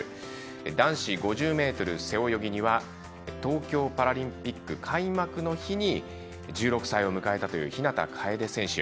男子５０ｍ背泳ぎには東京パラリンピック開幕の日に１６歳を迎えたという日向楓選手。